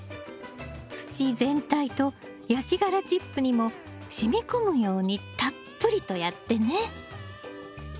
土全体とヤシ殻チップにもしみ込むようにたっぷりとやってね。